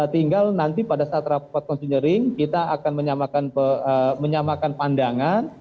tinggal nanti pada saat rapat konsinyering kita akan menyamakan pandangan